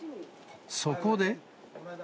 そこで。